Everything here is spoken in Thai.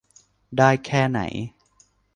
ได้แค่ไหน